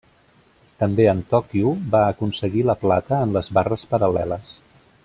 També en Tòquio va aconseguir la plata en les barres paral·leles.